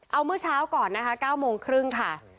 เอาเมื่อเช้าก่อนนะคะ๙โมงครึ่งค่ะ